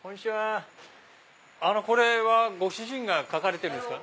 これはご主人が描かれてるんですか？